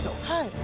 はい。